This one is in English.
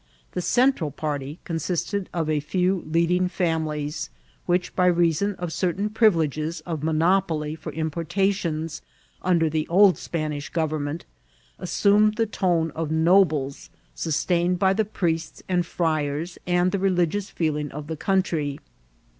The Central party consisted of a few leading families, which, by reason of certain privileges of monopoly for importations under the old Spanish government, assumed the tone of nobles, sustained by the priests and friars, and the religious feeling of the country.